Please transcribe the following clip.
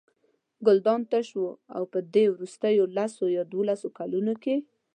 ګلدان تش و او په دې وروستیو لس یا یوولسو کلونو کې.